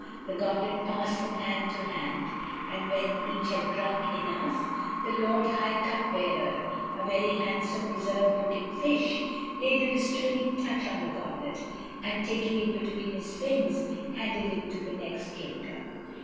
The goblet passed from hand to hand, and when each had drunk enough the Lord High Cupbearer, a very handsome, reserved looking fish, laid a restraining touch on the goblet and, taking it between his fins, handed it to the next drinker.